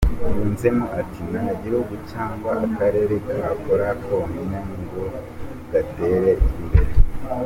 Yunzemo ati “Nta gihugu cyangwa akarere kakora konyine ngo gatere imbere.